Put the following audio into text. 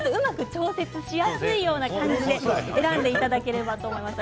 調節しやすいような感じで選んでいただければと思います。